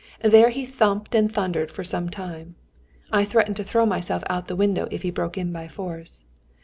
There he thumped and thundered for some time. I threatened to throw myself out of the window if he broke in by force.